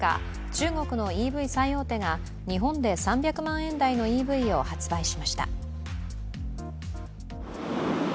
中国のＥＶ最大手が日本で３００万円台のＥＶを発売しました。